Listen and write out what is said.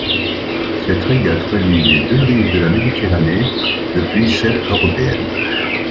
Cette régate relie les deux rives de la Méditerranée, depuis celle européenne.